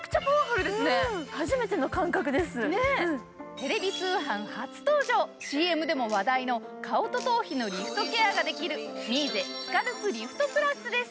テレビ通販初登場、ＣＭでも話題の顔と頭皮のリフトケアができる、ミーゼスカルプリフトプラスです。